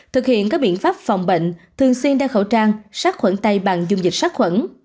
thực hiện các biện pháp phòng bệnh thường xuyên đeo khẩu trang sát khuẩn tay bằng dung dịch sát khuẩn